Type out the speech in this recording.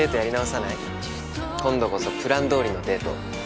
今度こそプランどおりのデート。